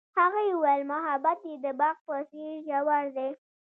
هغې وویل محبت یې د باغ په څېر ژور دی.